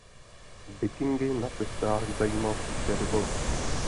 Vikingy na cestách zajímal spíše rybolov.